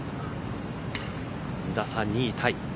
２打差２位タイ。